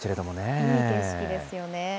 いい景色ですよね。